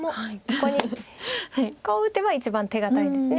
ここにこう打てば一番手堅いんです。